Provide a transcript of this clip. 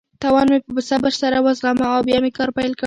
تاوان مې په صبر سره وزغمه او بیا مې کار پیل کړ.